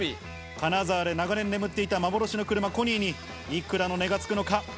金沢で長年、眠っていた幻の車、コニーに、いくらの値がつくのか。